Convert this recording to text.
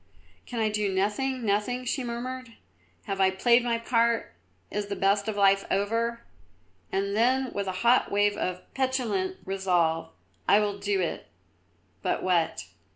"Can I do nothing, nothing?" she murmured. "Have I played my part? Is the best of life over?" and then, with a hot wave of petulant resolve, "I will do it, but what?"